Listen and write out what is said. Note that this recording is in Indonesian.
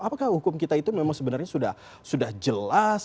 apakah hukum kita itu memang sebenarnya sudah jelas